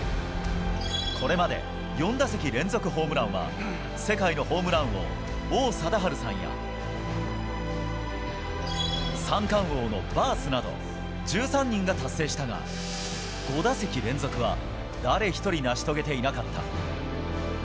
これまで４打席連続ホームランは、世界のホームラン王、王貞治さんや、三冠王のバースなど、１３人が達成したが、５打席連続は、誰一人成し遂げていなかった。